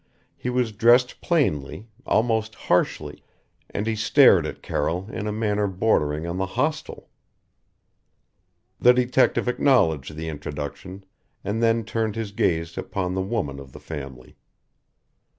He was dressed plainly almost harshly, and he stared at Carroll in a manner bordering on the hostile. The detective acknowledged the introduction and then turned his gaze upon the woman of the family.